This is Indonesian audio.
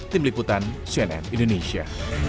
tim liputan cnn indonesia